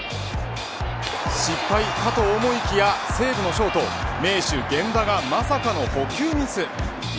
失敗かと思いきや西武のショート名手、源田がまさかの捕球ミス。